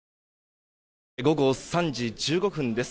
午後３時１５分です。